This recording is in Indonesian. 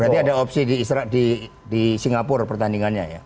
berarti ada opsi di singapura pertandingannya ya